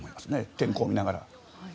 天候を見ながら。